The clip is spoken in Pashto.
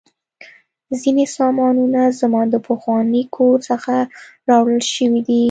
ځینې سامانونه زما د پخواني کور څخه راوړل شوي دي